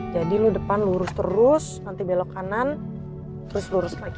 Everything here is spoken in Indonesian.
jadi lo depan lurus terus nanti belok kanan terus lurus lagi